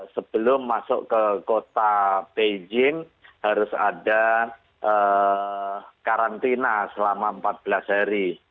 sebelum masuk ke kota beijing harus ada karantina selama empat belas hari